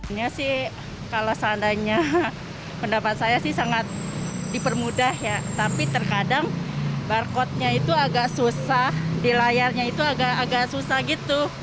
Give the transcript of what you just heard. ini sih kalau seandainya pendapat saya sih sangat dipermudah ya tapi terkadang barcode nya itu agak susah di layarnya itu agak susah gitu